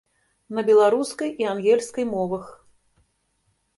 На беларускай і ангельскай мовах.